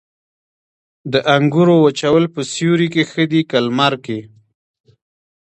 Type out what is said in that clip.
د انګورو وچول په سیوري کې ښه دي که لمر کې؟